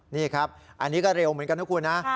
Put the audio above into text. นี่ครับอันนี้ก็เร็วเหมือนกันนะคุณนะ